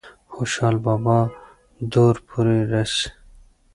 خوشحال بابا دور پورې رسي ۔